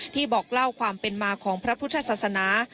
บอกเล่าความเป็นมาของพระพุทธศาสนา